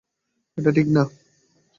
এটা ঠিক না।